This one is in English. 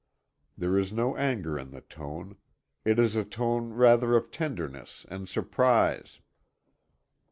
There is no anger in the tone. It is a tone rather of tenderness and surprise.